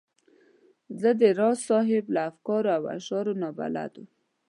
زه د راز صاحب له افکارو او اشعارو نا بلده وم.